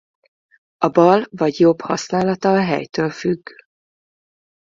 A bal vagy jobb használata a helytől függ.